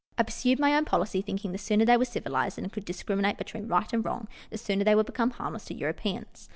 I pursued my own policy, thinking the sooner they were civilized, and could discriminate between right and wrong, the sooner they would become harmless to Europeans.